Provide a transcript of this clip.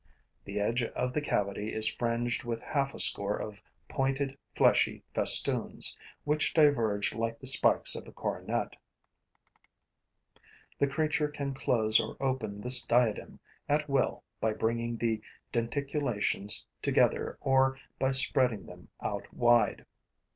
The edge of the cavity is fringed with half a score of pointed, fleshy festoons, which diverge like the spikes of a coronet. The creature can close or open this diadem at will by bringing the denticulations together or by spreading them out wide.